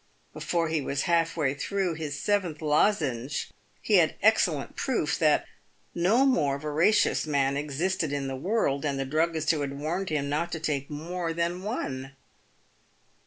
Before he was half way through his seventh lozenge he had excellent proof that no more veracious man existed in this world than the druggist who had warned him not to take more than one.